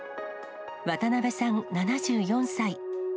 渡部さん７４歳。